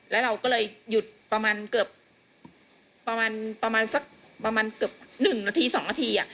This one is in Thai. แล้วเราก็เลยหยุดประมาณเกือบ๑๒นาที